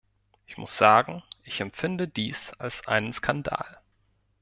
Ich muss sagen, ich empfinde dies als einen Skandal.